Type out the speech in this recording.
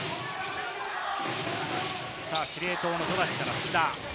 司令塔の富樫から須田。